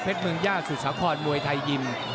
เพชรเมืองย่าสุดสะคอนมวยไทยยิน